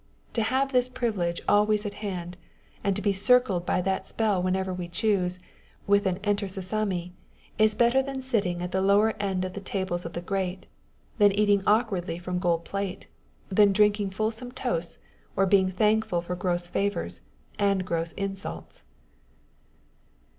To have tkis privilege always at hand, and to be circled by that spell whenever we choose, with an " Enter Sessami" is better than sitting at the lower end of the tables of the great, than eating awkwardly from gold plate, than drinking fulsome toasts, or being thankful for gross favours, and gross insults